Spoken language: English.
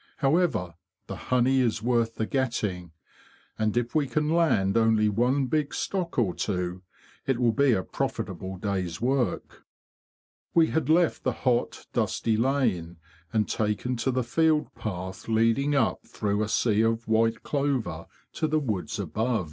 However, the honey is worth the getting, and if we can land only one big stock or two it will be a profitable day's work." We had left the hot, dusty lane, and taken to the field path leading up through a sea of white clover to the woods above.